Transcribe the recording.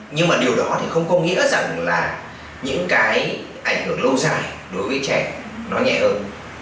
nhưng mà điều đó thì không có nghĩa rằng là những cái ảnh hưởng lâu dài đối với trẻ nó nhẹ hơn